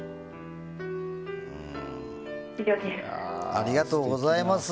ありがとうございます。